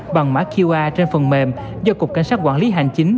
bằng mã qr trên phần mềm do cục cảnh sát quản lý hành chính